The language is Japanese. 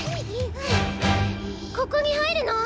ここにはいるの？